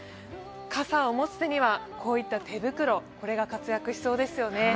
傘を持つ手には、こういった手袋が活躍しそうですよね。